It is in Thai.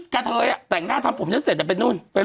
กระเทยจะแกะหน้าตังค์ผม